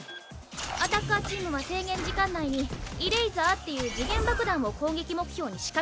アタッカーチームは制限時間内にイレイザーっていう時限爆弾を攻撃目標に仕掛けるの。